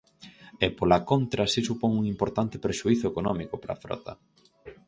E, pola contra, si supón un importante prexuízo económico para a frota.